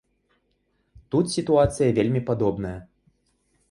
Тут сітуацыя вельмі падобная.